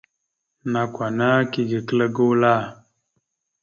Nakw ana kige kəla gula.